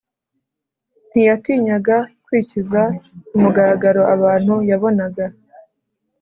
ntiyatinyaga kwikiza ku mugaragaro abantu yabonaga